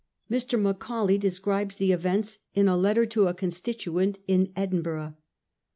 Mr. Macaulay describes the events in a letter to a constituent in Edin burgh.